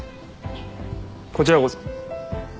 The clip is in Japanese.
こちらこそ。